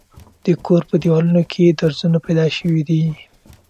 د کور په دېوالونو کې درځونه پیدا شوي دي.